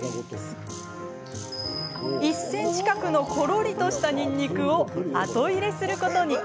１ｃｍ角のころりとしたにんにくを後入れすることに。